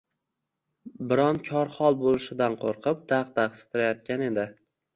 Biron kor-hol bo‘lishidan qo‘rqib dag‘-dag‘ titrayotgan ona